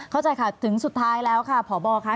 เข้าใจค่ะถึงสุดท้ายแล้วค่ะพบค่ะ